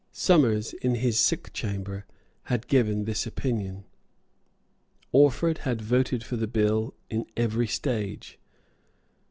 Somers, in his sick chamber, had given this opinion. Orford had voted for the bill in every stage.